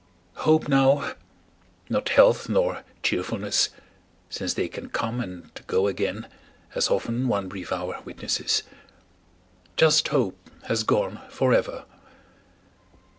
Hope now, not health nor cheerfulness, Since they can come and go again, As often one brief hour witnesses, Just hope has gone forever.